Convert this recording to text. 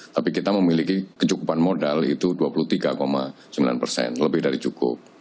tapi kita memiliki kecukupan modal itu dua puluh tiga sembilan persen lebih dari cukup